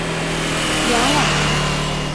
梁览人。